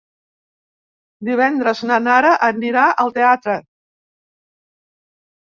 Divendres na Nara anirà al teatre.